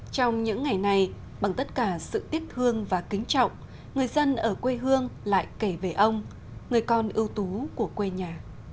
trong những ngày này bằng tất cả sự tiếc thương và kính trọng người dân ở quê hương lại kể về ông người con ưu tú của quê nhà